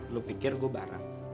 lo pikir gue barang